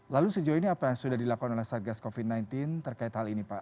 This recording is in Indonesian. lalu sejauh ini apa yang sudah dilakukan oleh satgas covid sembilan belas terkait hal ini pak